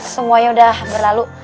semuanya udah hampir lalu